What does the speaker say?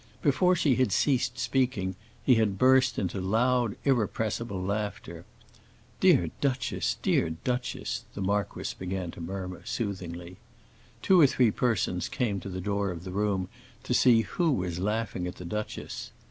Before she had ceased speaking he had burst into loud, irrepressible laughter. "Dear duchess, dear duchess," the marquis began to murmur, soothingly. Two or three persons came to the door of the room to see who was laughing at the duchess.